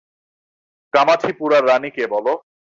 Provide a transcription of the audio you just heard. কামাঠিপুরার রানী কে বলো?